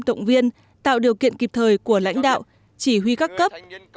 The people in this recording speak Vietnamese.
động viên tạo điều kiện kịp thời của lãnh đạo chỉ huy các cấp